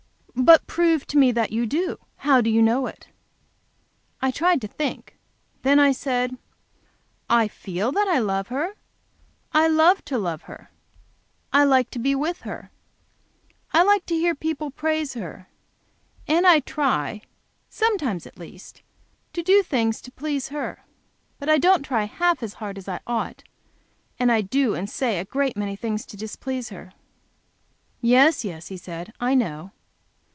"But prove to me that you do. How do you know it?" I tried to think. Then I said, "I feel that I love her. I love to love her, I like to be with her. I like to hear people praise her. And I try sometimes at least to do things to please her. But I don't try half as hard as I ought, and I do and say a great many things to displease her." "Yes, yes," he said, "I know."